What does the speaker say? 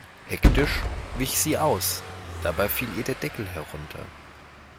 Hektisch wich sie aus, dabei fiel ihr der Deckel herunter.